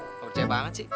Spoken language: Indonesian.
gak percaya banget sih